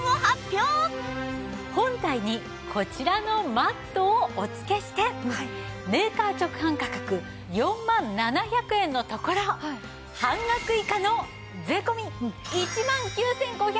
本体にこちらのマットをお付けしてメーカー直販価格４万７００円のところ半額以下の税込１万９５８０円です！